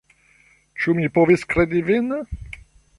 Ĉu mi povis kredi vin?